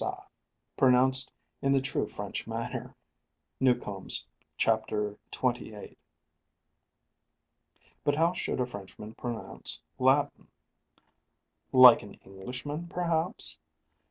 _ pronounced in the true French manner" (Newcomes, chapter xxviii.). But how should a Frenchman pronounce Latin? like an Englishman, perhaps?